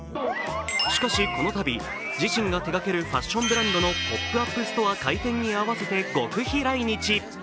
しかしこのたび、自身が手がけるファッションブランドのポップアップストア開店に合わせて極秘来日。